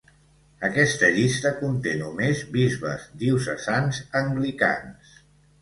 Aquesta llista conté només bisbes diocesans anglicans.